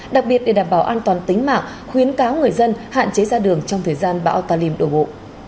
đặc biệt để đảm bảo an toàn tính mạng khuyến cáo người dân hạn chế ra đường trong thời gian bão talim đổ bộ